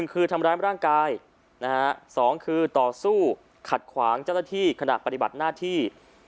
คือทำร้ายร่างกาย๒คือต่อสู้ขัดขวางเจ้าหน้าที่ขณะปฏิบัติหน้าที่